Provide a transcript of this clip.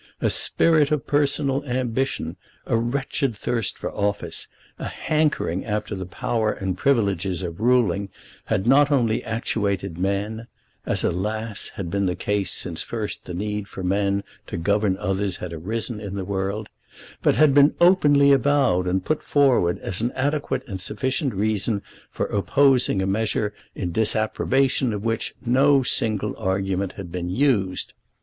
A spirit of personal ambition, a wretched thirst for office, a hankering after the power and privileges of ruling, had not only actuated men, as, alas, had been the case since first the need for men to govern others had arisen in the world, but had been openly avowed and put forward as an adequate and sufficient reason for opposing a measure in disapprobation of which no single argument had been used!